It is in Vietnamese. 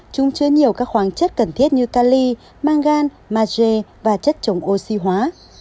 chúng chứa nhiều các khoáng chất cần thiết như cali mangan magie và chất chống oxy hóa